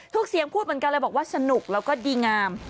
เสียงพูดเหมือนกันเลยบอกว่าสนุกแล้วก็ดีงาม